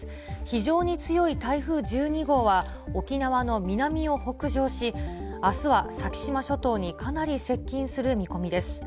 非常に強い台風１２号は、沖縄の南を北上し、あすは先島諸島にかなり接近する見込みです。